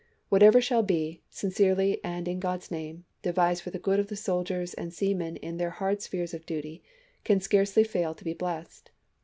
Whatever shall be, sincerely and in God's name, devised for the good of the soldiers and seamen in their hard spheres of duty can scarcely fail to be blessed.